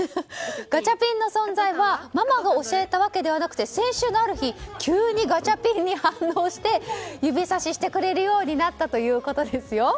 ガチャピンの存在はママが教えたわけじゃなくて先週のある日急にガチャピンに反応して指さししてくれるようになったということですよ。